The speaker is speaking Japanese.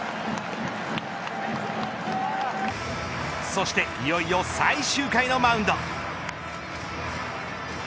そしていよいよ最終回のマウンド。